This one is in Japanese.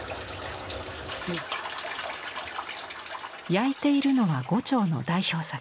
焼いているのは牛腸の代表作。